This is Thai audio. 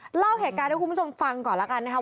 เล่าเหตุการณ์ให้คุณผู้ชมฟังก่อนแล้วกันนะครับ